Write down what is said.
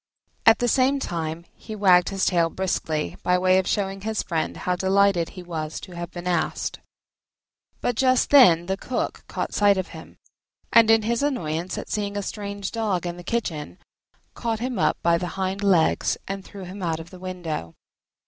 At the same time he wagged his tail briskly, by way of showing his friend how delighted he was to have been asked. But just then the Cook caught sight of him, and, in his annoyance at seeing a strange Dog in the kitchen, caught him up by the hind legs and threw him out of the window.